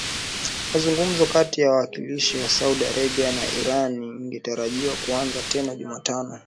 mazungumzo kati ya wawakilishi wa Saudi Arabia na Iran ingetarajiwa kuanza tena Jumatano